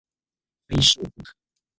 非瘦不可